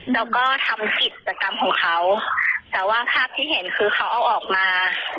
แล้วก็ทำกิจกรรมของเขาแต่ว่าภาพที่เห็นคือเขาเอาออกมา